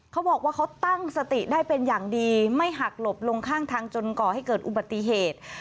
เขาบอกว่าเขาตั้งสติได้เป็นอย่างดีไม่หักหลบลงข้างทางจนก่อให้เกิดอุบัติเหตุ